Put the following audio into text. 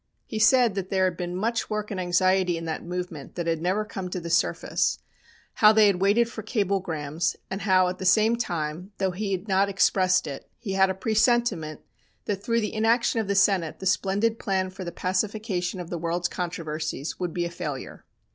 He said that there had been much work and anxiety in that movement that had never come to the surface; how they had waited for cablegrams, and how at the same time, although he had not expressed it, he had a presentiment that through the inaction of the Senate the splendid plan for the pacification of the world's controversies would be a failure.